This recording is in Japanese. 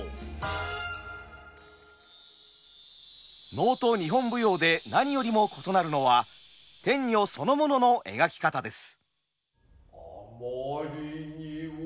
能と日本舞踊で何よりも異なるのは天女そのものの描き方です。